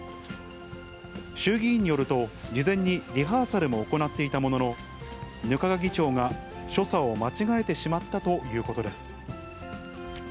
衆議院によると、事前にリハーサルも行っていたものの、額賀議長が所作を間違えてしまったということです。